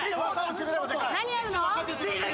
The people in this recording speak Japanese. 何やるの？